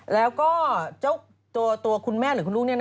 แล้วก็ตัวคุณแม่หรือคุณลูกนี่นะฮะ